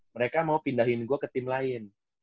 mereka mau pindahin gue ke tim lain